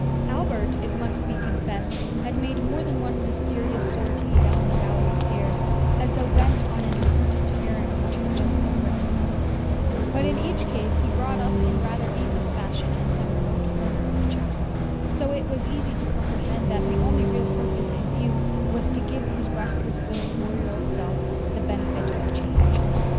Albert, it must be confessed, had made more than one mysterious sortie down the gallery stairs, as though bent on an important errand which had just occurred to him; but in each case he brought up in rather aimless fashion in some remote corner of the chapel; so it was easy to comprehend that the only real purpose in view was to give his restless little four year old self the benefit of a change.